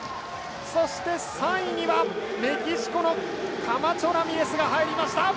そして３位にはメキシコのカマチョラミレスが入りました。